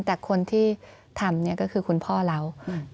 แต่คนที่ทำเนี่ยก็คือคุณพ่อเรา